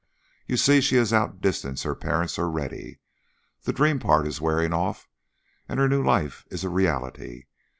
You see, she has outdistanced her parents already; the dream part is wearing off and her new life is a reality.